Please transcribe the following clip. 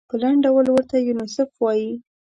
په لنډ ډول ورته یونیسف وايي.